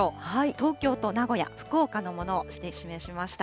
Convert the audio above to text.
東京と名古屋、福岡のものを示しました。